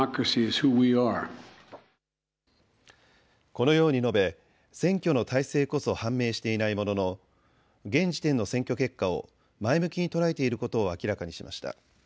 このように述べ、選挙の大勢こそ判明していないものの現時点の選挙結果を前向きに捉えていることを明らかにしました。